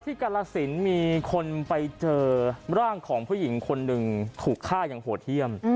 กรสินมีคนไปเจอร่างของผู้หญิงคนหนึ่งถูกฆ่าอย่างโหดเยี่ยม